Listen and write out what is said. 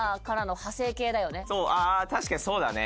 確かにそうだね。